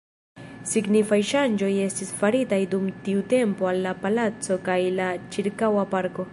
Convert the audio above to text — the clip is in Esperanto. Signifaj ŝanĝoj estis faritaj dum tiu tempo al la palaco kaj la ĉirkaŭa parko.